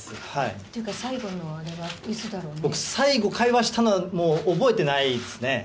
っていうか、最後のあれは、僕、最後会話したの、もう覚えてないですね。